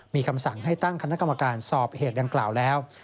มีคำสั่งให้ตั้งคณะกรรมการสอบเหตุดังกล่าวแล้ว